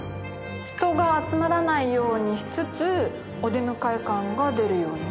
人が集まらないようにしつつお出迎え感が出るように。